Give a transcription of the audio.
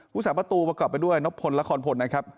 ภูมิสักประตูประกอบไปด้วยนกพลและคอนพลนะครับ